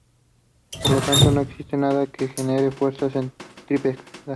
Por lo tanto no existe nada que genere fuerza centrípeta.